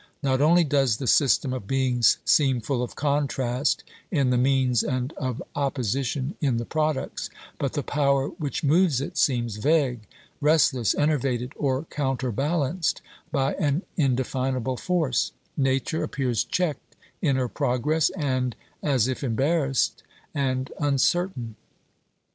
Not only does the system of beings seem full of contrast in the means and of opposi tion in the products, but the power which moves it seems vague, restless, enervated, or counterbalanced by an in definable force ; Nature appears checked in her progress, and as if embarrassed and uncertain.